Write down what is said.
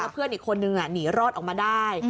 เพื่อนอีกคนนึงหนีรอดออกมาได้